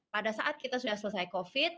pada saat kita sudah selesai covid